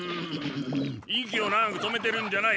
息を長く止めてるんじゃない。